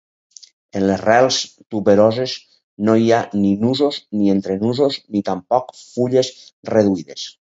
En les rels tuberoses no hi ha ni nusos ni entrenusos ni tampoc fulles reduïdes.